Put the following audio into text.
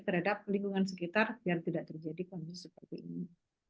terhadap lingkungan sekitar biar tidak terjadi kondisi seperti ini